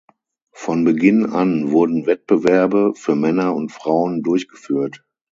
Von Beginn an wurden Wettbewerbe für Männer und Frauen durchgeführt.